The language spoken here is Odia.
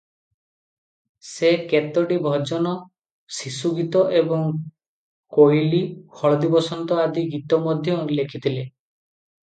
ସେ କେତୋଟି ଭଜନ, ଶିଶୁଗୀତ ଏବଂ କୋଇଲୀ, ହଳଦୀବସନ୍ତ ଆଦି ଗୀତ ମଧ୍ୟ ଲେଖିଥିଲେ ।